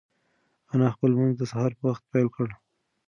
انا خپل لمونځ د سهار په وخت پیل کړ.